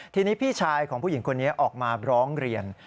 ทีนี้พี่ชายของผู้หญิงคนนี้ออกมาร้องเรียน